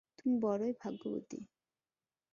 তুমি বড়ই ভাগ্যবতী।